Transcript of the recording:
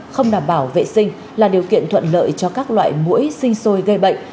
không đảm bảo vệ sinh là điều kiện thuận lợi cho các loại mũi sinh sôi gây bệnh